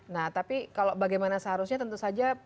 nah tapi kalau bagaimana seharusnya tentu saja